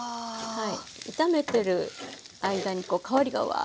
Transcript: はい。